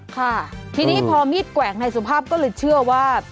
ค่ะทีนี้พอมีดแกว่งนายสุภาพก็เลยเชื่อว่า